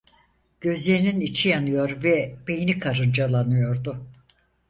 Gözlerinin içi yanıyor ve beyni karıncalanıyordu.